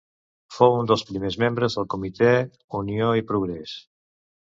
Fou un dels primers membres del Comitè Unió i Progrés.